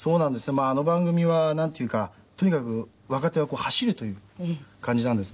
まああの番組はなんというかとにかく若手は走るという感じなんです。